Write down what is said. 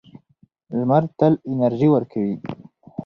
لمر تل انرژي ورکوي.